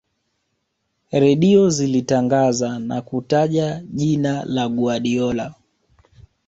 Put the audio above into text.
redio zilitangaza na kutaja jina la guardiola